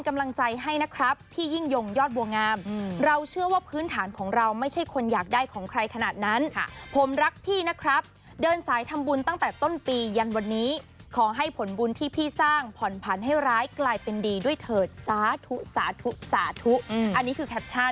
อันนี้คือแคปชั่นที่พี่อู๋เป็นต่อค่ะ